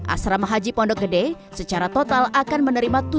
asrama haji pondok gede secara total akan menerima